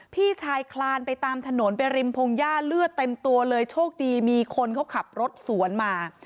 พี่ชายคลานไปตามถนนไปริมพงหญ้าเลือดเต็มตัวเลยโชคดีมีคนเขาขับรถสวนมา